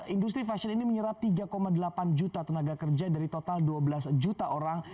industri fashion ini menyerap tiga delapan juta tenaga kerja dari total dua belas juta orang